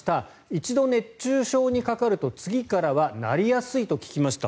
一度熱中症にかかると次からはなりやすいと聞きました。